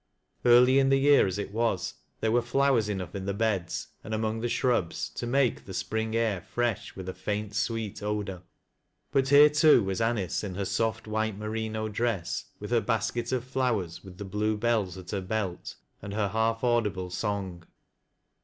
Early in the year as it was, there were flowera enough in the beds, and among the shrubs, to make the spring air fresh with a faint, sweet odor. But here too was Anice in her soft white merino dress, with her basket of flowers, with the blue bells at her belt, and her hali audible song.